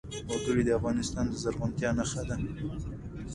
وګړي د افغانستان د زرغونتیا نښه ده.